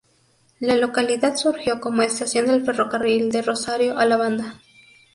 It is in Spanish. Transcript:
La localidad surgió como estación del ferrocarril de Rosario a La Banda.